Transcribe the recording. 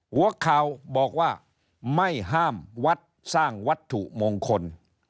หัวข่าวบอกว่าไม่ห้ามวัดสร้างวัตถุมงคล